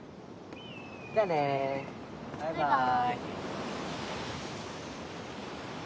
じゃあね。バイバイ。